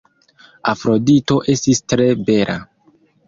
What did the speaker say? Afrodito estis tre bela.